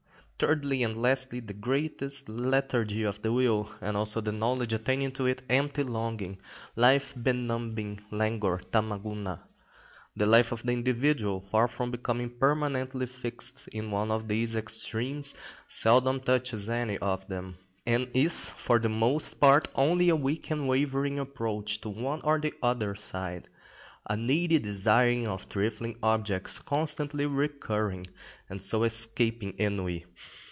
Thirdly and lastly, the greatest lethargy of the will, and also of the knowledge attaching to it, empty longing, life benumbing languor (Tama Guna). The life of the individual, far from becoming permanently fixed in one of these extremes, seldom touches any of them, and is for the most part only a weak and wavering approach to one or the other side, a needy desiring of trifling objects, constantly recurring, and so escaping ennui.